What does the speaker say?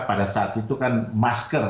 pada saat itu kan masker